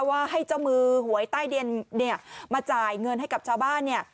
ว่าให้เจ้ามือหวยใต้ดินเนี่ยมาจ่ายเงินให้กับชาวบ้านเนี่ย